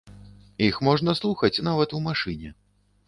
Іх можна слухаць нават у машыне.